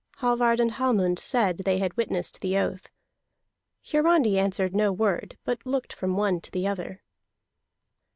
Hallvard and Hallmund said they had witnessed the oath. Hiarandi answered no word, but looked from one to the other.